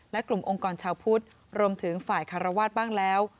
และกลุ่มองค์กรชาวพุทธรวมถึงฝ่ายคารวาสบ้างแล้ว